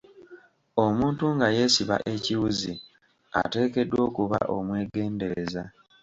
Omuntu nga yeesiba ekiwuzi ateekeddwa okuba omwegendereza.